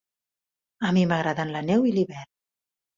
A mi m'agraden la neu i l'hivern.